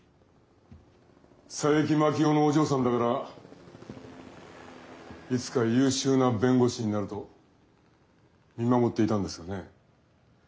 佐伯真樹夫のお嬢さんだからいつか優秀な弁護士になると見守っていたんですがね。